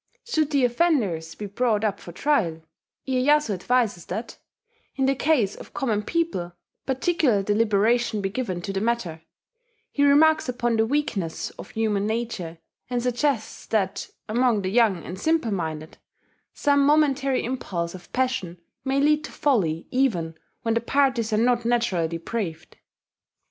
Should the offenders be brought up for trial, Iyeyasu advises that, in the case of common people, particular deliberation be given to the matter: he remarks upon the weakness of human nature, and suggests that, among the young and simple minded, some momentary impulse of passion may lead to folly even when the parties are not naturally depraved.